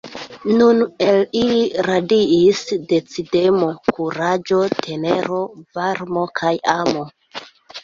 Nun el ili radiis decidemo, kuraĝo, tenero, varmo kaj amo.